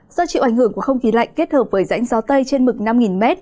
do chịu ảnh hưởng của không khí lạnh kết hợp với rãnh gió tây trên mực năm m